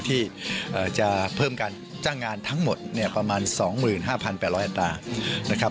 ที่จะเพิ่มการจ้างงานทั้งหมดประมาณ๒๕๘๐๐อัตรา